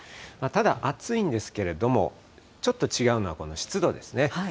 ただ、暑いんですけれども、ちょっと違うのはこの湿度ですね。